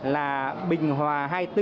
là bình hòa hai mươi bốn